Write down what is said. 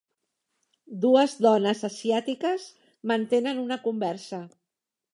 dues dones asiàtiques mantenen una conversa.